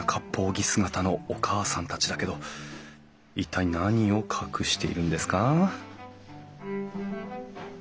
着姿のおかあさんたちだけど一体何を隠しているんですか？